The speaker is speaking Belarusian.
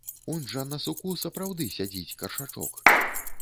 Унь жа на суку сапраўды сядзіць каршачок!